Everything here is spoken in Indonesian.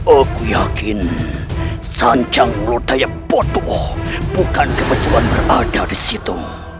aku yakin sancang lodaya potoh bukan kebetulan berada di situ